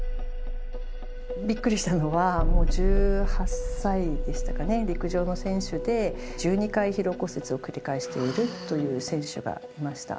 びっくりしたのは、もう１８歳でしたかね、陸上の選手で、１２回疲労骨折を繰り返しているという選手がいました。